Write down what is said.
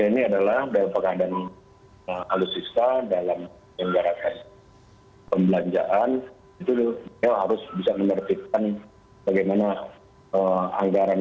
ini adalah dalam keadaan alutsista dalam kegiatan pembelanjaan